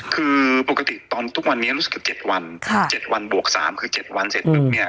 คือปกติตอนทุกวันนี้รู้สึกว่าเจ็ดวันค่ะเจ็ดวันบวกสามคือเจ็ดวันเสร็จปุ๊บเนี้ย